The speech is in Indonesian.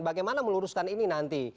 bagaimana meluruskan ini nanti